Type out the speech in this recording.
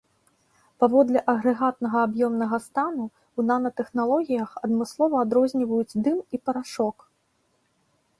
Паводле агрэгатнага аб'ёмнага стану, у нанатэхналогіях адмыслова адрозніваюць дым і парашок.